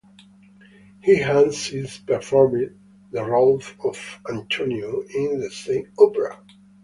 He has since performed the role of Antonio in the same opera.